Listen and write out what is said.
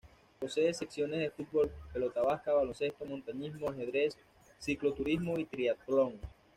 Posee secciones de fútbol, pelota vasca, baloncesto, montañismo, ajedrez, cicloturismo y triatlón.